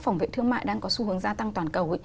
phòng vệ thương mại đang có xu hướng gia tăng toàn cầu